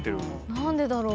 何でだろう？